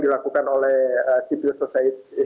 dilakukan oleh civil society